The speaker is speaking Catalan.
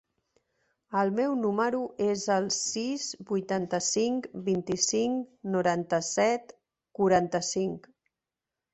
El meu número es el sis, vuitanta-cinc, vint-i-cinc, noranta-set, quaranta-cinc.